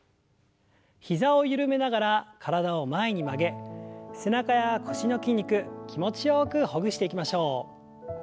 膝を緩めながら体を前に曲げ背中や腰の筋肉気持ちよくほぐしていきましょう。